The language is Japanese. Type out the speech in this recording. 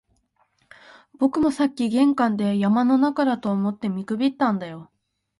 僕もさっき玄関で、山の中だと思って見くびったんだよ